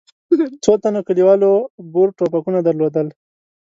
څو تنو کلیوالو بور ټوپکونه درلودل.